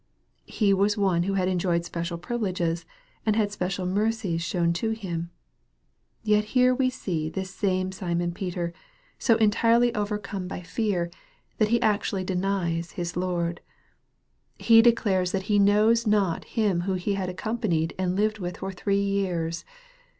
He was one who had enjoyed special priv ileges, and had special mercies shown to him. Yet here we see this same Simon Peter so entirely overcome by 832 EXPOSITORY THOUGHTS. fear that he actually denies his Lord. He declares that he knows not Him whom he had accon'panied and lived with for three years